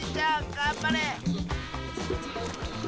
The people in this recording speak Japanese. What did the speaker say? がんばれ！